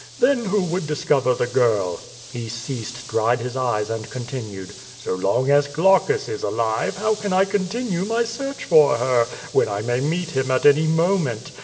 Then who would discover the girl?'^ He ceased, dried his eyes and continued: "So long as Glaucus is alive, how can I continue my search for her, when I may meet him at any moment?